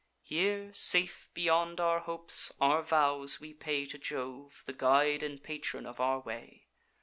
Here, safe beyond our hopes, our vows we pay To Jove, the guide and patron of our way.